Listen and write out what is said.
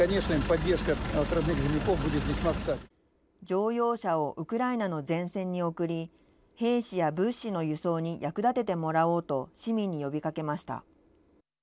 乗用車をウクライナの前線に送り兵士や物資の輸送に役立ててもらおうと市民に呼びかけました。